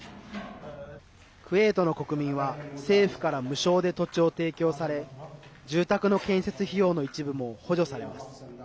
クウェートの国民は政府から無償で土地を提供され住宅の建設費用の一部も補助されます。